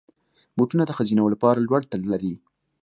بوټونه د ښځینه وو لپاره لوړ تل لري.